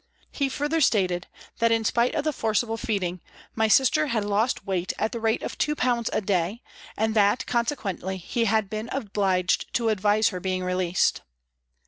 He further stated that, in spite of the forcible feeding, my sister had lost weight at the rate of 2 Ibs. a day, and that, conse quently, he had been obliged to advise her being released.